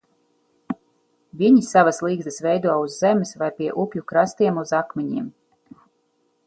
Viņi savas ligzdas veido uz zemes vai pie upju krastiem uz akmeņiem.